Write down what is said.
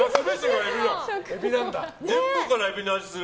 全部からエビの味がする。